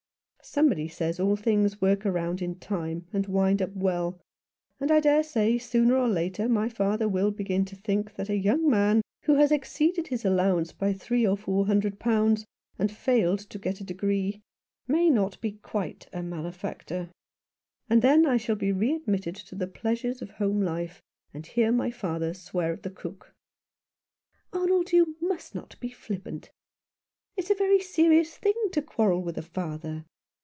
Somebody says all things work round in time and wind up well ; and I dare say sooner or later my father will begin to think that a young man who has exceeded his allowance by three or four hundred pounds, and failed to get a degree, may be not quite a male factor ; and then I shall be readmitted to the 79 Rough Justice. pleasures of home life, and hear my father swear at the cook." "Arnold, you must not be flippant. It is a very serious thing to quarrel with a father.